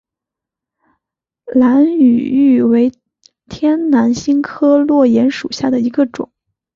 兰屿芋为天南星科落檐属下的一个种。